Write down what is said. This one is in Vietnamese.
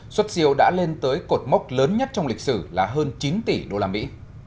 xuất siêu đã lên tới cột mốc lớn nhất trong lịch sử là hơn chín tỷ đô la mỹ